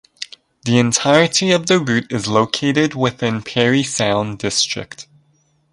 The entirety of the route is located within Parry Sound District.